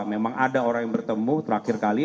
memang ada orang yang bertemu terakhir kali